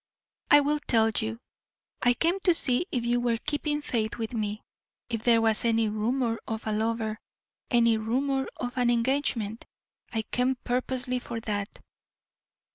"I will tell you. I came to see if you were keeping faith with me, if there was any rumor of a lover, any rumor of an engagement. I came purposely for that."